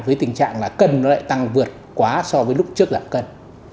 với tình trạng là cân nó lại tăng vượt quá so với lúc trước là cân